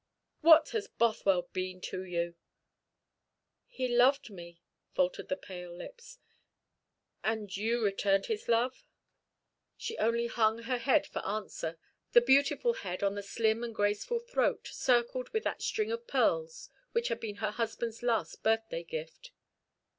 What has Bothwell been to you?" "He loved me " faltered the pale lips. "And you returned his love?" She only hung her head for answer, the beautiful head on the slim and graceful throat, circled with that string of pearls which had been her husband's last birthday gift.